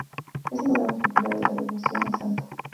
Es el lugar más popular de la devoción al santo.